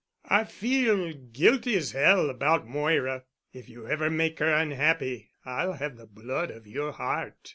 "I feel guilty as Hell about Moira. If you ever make her unhappy I'll have the blood of your heart.